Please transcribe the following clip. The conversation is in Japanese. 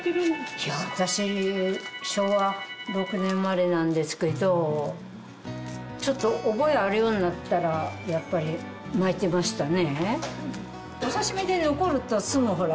いや私昭和６年生まれなんですけどちょっと覚えあるようになったらやっぱり巻いてましたね。